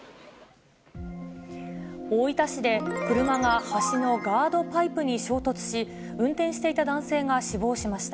大分市で、車が橋のガードパイプに衝突し、運転していた男性が死亡しました。